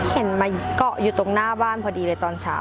เห็นมาเกาะอยู่ตรงหน้าบ้านพอดีเลยตอนเช้า